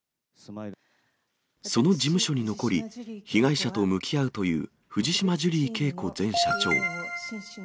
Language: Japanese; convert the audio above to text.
その事務所に残り、被害者と向き合うという藤島ジュリー景子前社長。